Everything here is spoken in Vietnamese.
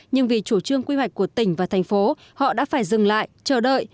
nhưng vì chủ trương quy hoạch của tỉnh và thành phố họ đã phải dừng lại chờ đợi